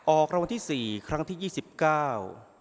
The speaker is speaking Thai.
ออกรางวัลที่สี่ครั้งที่ยี่สิบเก้า